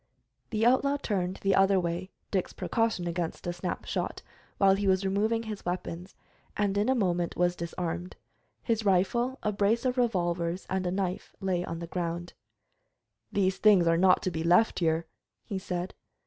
The outlaw turned the other way, Dick's precaution against a snap shot, while he was removing his weapons, and in a moment was disarmed. His rifle, a brace of revolvers, and a knife lay on the ground. "These things are not to be left here," he said.